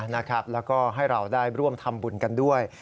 แล้วก็ให้เราได้ร่วมทำบุญกันด้วย